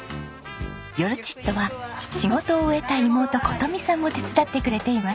夜ちっとは仕事を終えた妹琴美さんも手伝ってくれています。